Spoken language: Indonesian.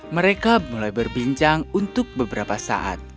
mereka mulai berbincang untuk beberapa saat